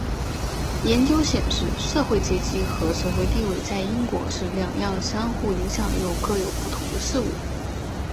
研究显示社会阶级和社会地位在英国是两样相互影响又各有不同的事物。